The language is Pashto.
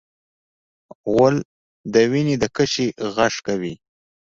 غول د وینې د کچې غږ کوي.